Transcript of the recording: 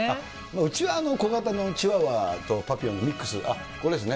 うちは小型のチワワとパピヨンのミックス、あっ、これですね。